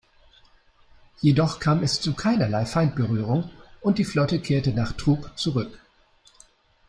Jedoch kam es zu keinerlei Feindberührung, und die Flotte kehrte nach Truk zurück.